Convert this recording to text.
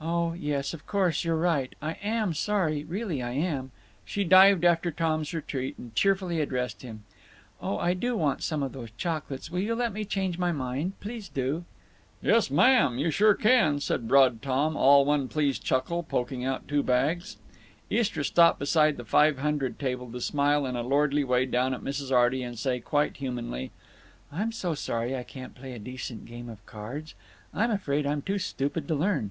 "Oh yes, of course you' re right. I am sorry, really I am." She dived after Tom's retreat and cheerfully addressed him: "Oh, I do want some of those chocolates. Will you let me change my mind? Please do." "Yes ma'am, you sure can!" said broad Tom, all one pleased chuckle, poking out the two bags. Istra stopped beside the Five Hundred table to smile in a lordly way down at Mrs. Arty and say, quite humanly: "I'm so sorry I can't play a decent game of cards. I'm afraid I'm too stupid to learn.